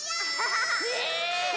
え？